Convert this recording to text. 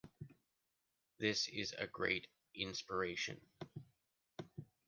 This is a great inspiration!